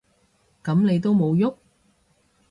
噉你有無郁？